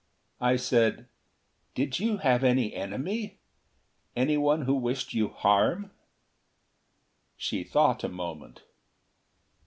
I said, "Did you have any enemy? Anyone who wished you harm?" She thought a moment.